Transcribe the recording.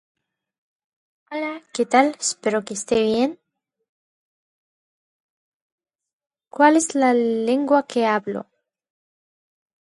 Finally, to the east, it was bordered by the Detroit River.